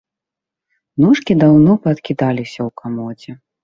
Ножкі даўно паадкідаліся ў камодзе.